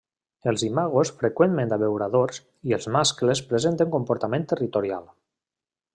Els imagos freqüenten abeuradors i els mascles presenten comportament territorial.